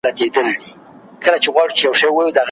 ایا شاګرد د لارښود مشوره مني؟